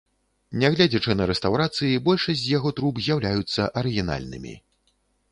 Нягледзячы на рэстаўрацыі, большасць з яго труб з'яўляюцца арыгінальнымі.